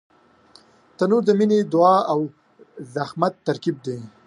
تنور د مینې، دعا او زحمت ترکیب دی